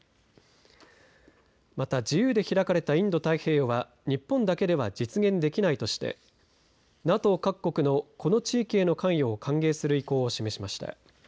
また自由で開かれたインド太平洋は日本だけでは実現できないとしてＮＡＴＯ各国のこの地域への関与を歓迎する意向を示しました。